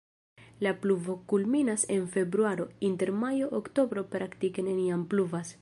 La pluvo kulminas en februaro, inter majo-oktobro praktike neniam pluvas.